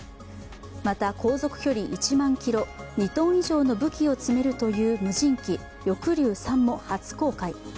また航続距離１万キロ、２ｔ以上の武器を積めるという無人機、翼竜３も初公開。